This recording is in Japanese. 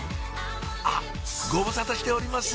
あっご無沙汰しております